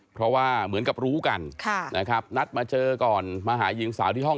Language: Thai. เพราะว่าเหมือนกับรู้กันนะครับนัดมาเจอก่อนมาหาหญิงสาวที่ห้อง